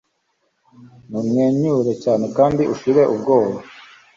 mumwenyure cyane kandi ushire ubwoba